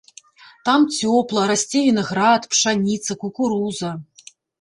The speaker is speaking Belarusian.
Там цёпла, расце вінаград, пшаніца, кукуруза.